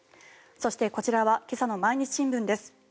そして、こちらは今朝の毎日新聞です。